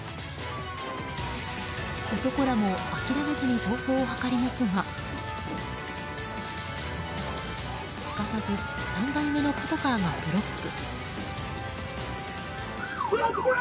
男らも諦めずに逃走を図りますがすかさず３台目のパトカーがブロック。